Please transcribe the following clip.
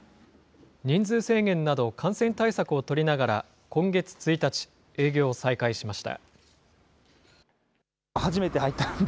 人数制限など、感染対策を取りながら今月１日、営業を再開しました。